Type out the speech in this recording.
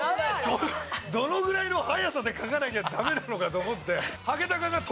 どのぐらいの早さで書かなきゃダメなのかと思って。